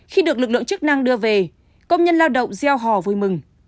khi được lực lượng chức năng đưa về công nhân lao động gieo hò vui mừng